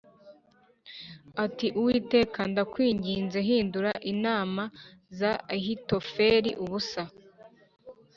ati “Uwiteka ndakwinginze, hindura inama za Ahitofeli ubusa.”